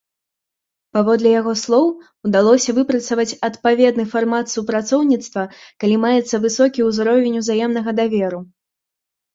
Паводле яго слоў, удалося выпрацаваць адпаведны фармат супрацоўніцтва, калі маецца высокі ўзровень ўзаемнага даверу.